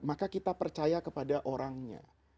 maka kita percaya kepada orangnya